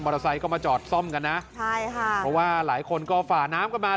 ไซค์ก็มาจอดซ่อมกันนะใช่ค่ะเพราะว่าหลายคนก็ฝ่าน้ำกันมา